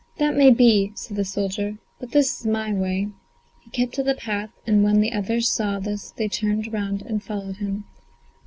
"That may be," said the soldier, "but this is my way." He kept to the path, and when the others saw this they turned round and followed him.